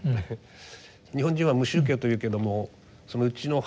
日本人は無宗教と言うけどもうちの母の世代